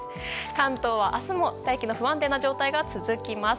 関東は明日も大気が不安定な状態が続きます。